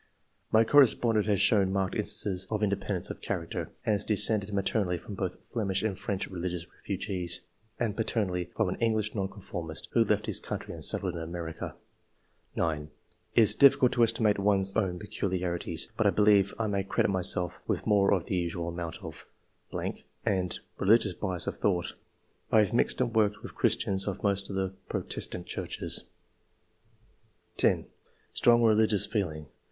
[My correspondent has shown marked instances of independence of character. II.] QUALITIES, 133 and is descended maternally from both Flemish and French religious refugees, and paternally from an English Nonconformist, who left his country and settled in America.] 9. " It is diffi cult to estimate one s own peculiarities, but I be lieve I may credit myself with more than the usual amount of (... and) religious bias of thought. I have mixed and worked with Christians of most of the Protestant Churches." 10. ''Strong re ligious feeling.